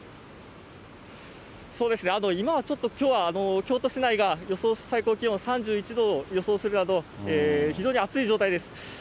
そうですね、今はちょっと、きょうは京都市内が、予想最高気温３１度を予想するなど、非常に暑い状態です。